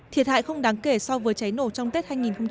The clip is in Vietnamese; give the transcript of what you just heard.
thiệt hại không đáng kể so với cháy nổ trong tết hai nghìn một mươi sáu